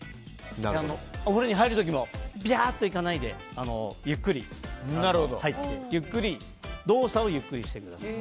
お風呂に入る時もびゃーっと行かないでゆっくり入って動作をゆっくりしてください。